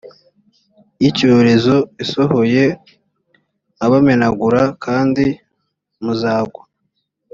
y icyorezo isohoye nkabamenagura kandi muzagwa